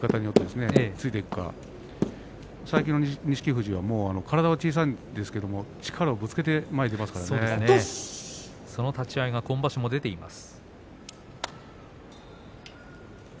富士は体は小さいんですが力をぶつけてその立ち合いが今場所も出ています。